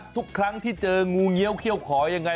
ทุกครั้งที่เจองูเงี้ยวเขี้ยวขอยังไง